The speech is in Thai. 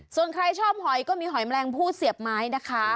ส่วนใครชอบหอยก็มีหอยแมลงผู้เสียบไม้นะคะ